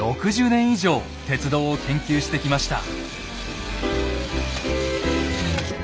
６０年以上鉄道を研究してきました。